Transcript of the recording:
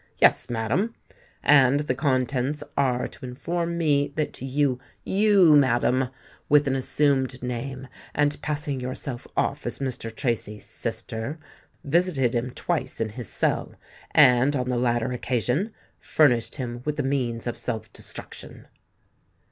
"Yes, madam: and the contents are to inform me that you—you, madam, with an assumed name, and passing yourself off as Mr. Tracy's sister, visited him twice in his cell, and, on the latter occasion, furnished him with the means of self destruction."